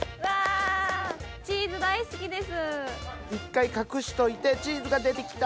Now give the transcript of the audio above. １回隠しといてチーズが出てきた！が大事。